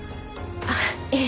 あっええ。